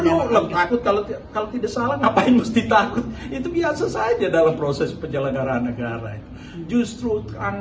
tidak perlu takut kalau tidak salah ngapain mesti takut